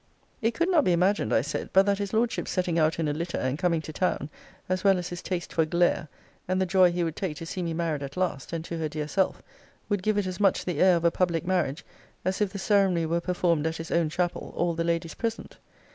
It could not be imagined, I said, but that his Lordship's setting out in a litter, and coming to town, as well as his taste for glare, and the joy he would take to see me married at last, and to her dear self, would give it as much the air of a public marriage as if the ceremony were performed at his own chapel, all the Ladies present.